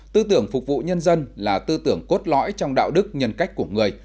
tư tưởng phục vụ nhân dân là tư tưởng cốt lõi trong đạo đức nhân cách của người